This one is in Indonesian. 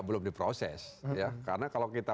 belum diproses ya karena kalau kita